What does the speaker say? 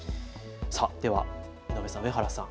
では井上さん、上原さん